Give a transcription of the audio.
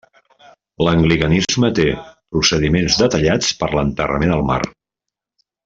L'anglicanisme té procediments detallats per l'enterrament al mar.